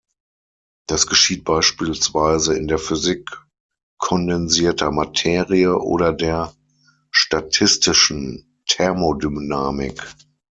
Das geschieht beispielsweise in der Physik kondensierter Materie oder der statistischen Thermodynamik.